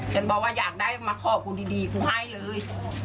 ฉันบอกว่าอยากได้มาขอกูดีกูให้เลย